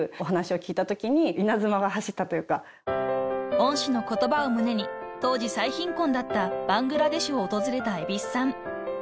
［恩師の言葉を胸に当時最貧困だったバングラデシュを訪れた蛭子さん］